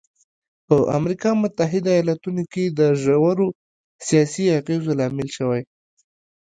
په امریکا متحده ایالتونو کې د ژورو سیاسي اغېزو لامل شوی.